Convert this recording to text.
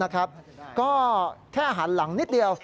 ก็แค่หันหลังนิดเดียว